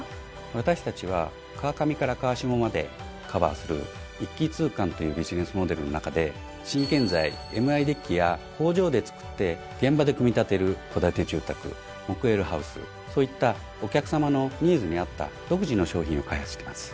私たちは川上から川下までカバーする一気通貫というビジネスモデルの中で新建材「ＭＩデッキ」や工場でつくって現場で組み立てる戸建て住宅「ＭＯＫＵＷＥＬＬＨＯＵＳＥ」そういったお客さまのニーズに合った独自の商品を開発してます。